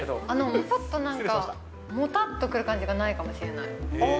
ちょっとなんか、もたっとくる感じがないかもしれない。